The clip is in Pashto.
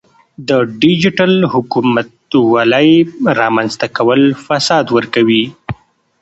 د ډیجیټل حکومتولۍ رامنځته کول فساد ورکوي.